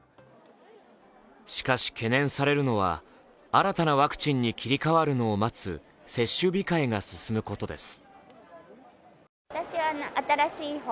しかし懸念されるのは、新たなワクチンに切り替わるのを待つ、接種控えが進むことです。